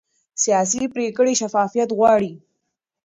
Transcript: سیاسي پرېکړې شفافیت غواړي